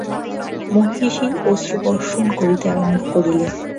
মহিষী অশ্রুবর্ষণ করিতে আরম্ভ করিলেন।